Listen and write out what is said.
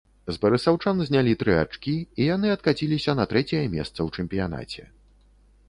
З барысаўчан знялі тры ачкі, і яны адкаціліся на трэцяе месца ў чэмпіянаце.